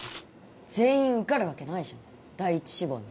全員受かるわけないじゃん第一志望に。